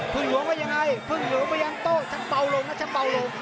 พึ่งหวงก็ยังไงพึ่งหวงไปยังโต้ชักเป่าลงนะชักเป่าลง